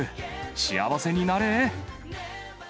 幸せになれー！